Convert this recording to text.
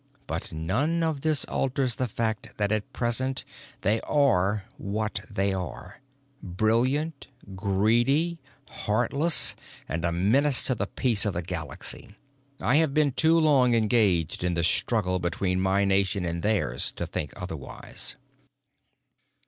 But none of this alters the fact that at present they are what they are, brilliant, greedy, heartless, and a menace to the peace of the Galaxy. I have been too long engaged in the struggle between my nation and theirs to think otherwise.